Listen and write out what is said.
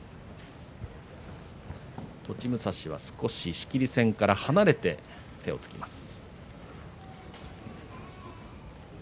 栃武蔵は少し仕切り線から離れて手をつきます。